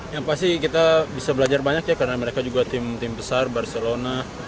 yang pasti kita bisa belajar banyak ya karena mereka juga tim tim besar barcelona